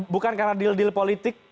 bukan karena deal deal politik